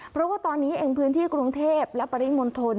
เพราะว่าตอนนี้เองพื้นที่กรุงเทพและปริมณฑล